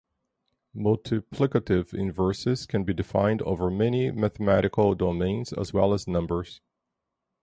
Multiplicative inverses can be defined over many mathematical domains as well as numbers.